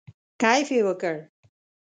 کیف یې وکړ.